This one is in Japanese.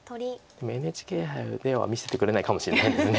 でもＮＨＫ杯では見せてくれないかもしれないです。